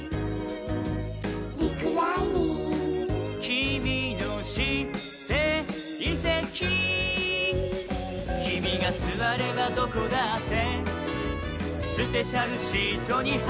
「きみのしていせき」「きみがすわればどこだってスペシャルシートにはやがわり」